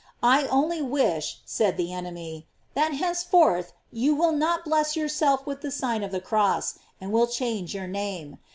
I only wish, said the enemy, that henceforth you will not bless yourself with the sign of the cross, and will change your name.